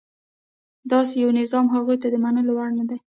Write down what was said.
داسې یو نظام هغوی ته د منلو وړ نه دی.